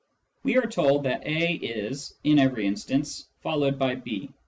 We are told that A is, in every instance, followed by B.